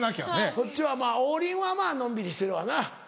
こっちはまぁ王林はのんびりしてるわな。